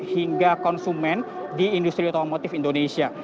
hingga konsumen di industri otomotif indonesia